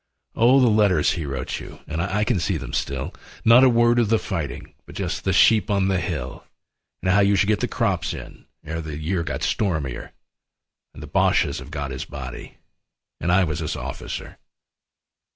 Oh, the letters he wrote you, And I can see them still. Not a word of the fighting But just the sheep on the hill And how you should get the crops in Ere the year got stormier, 40 And the Bosches have got his body. And I was his officer.